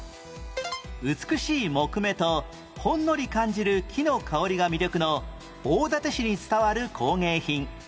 美しい木目とほんのり感じる木の香りが魅力の大館市に伝わる工芸品